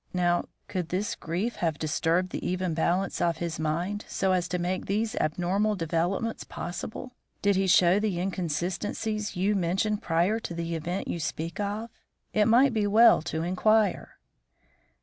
Now, could this grief have disturbed the even balance of his mind so as to make these abnormal developments possible? Did he show the inconsistencies you mention prior to the event you speak of? It might be well to inquire."